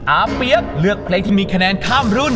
อาเปี๊ยกเลือกเพลงที่มีคะแนนข้ามรุ่น